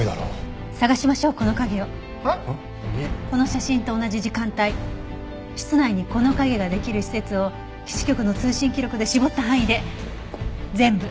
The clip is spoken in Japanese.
この写真と同じ時間帯室内にこの影ができる施設を基地局の通信記録で絞った範囲で全部。